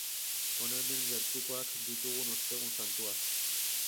Hona hemen gertukoak ditugun Ostegun Santuak.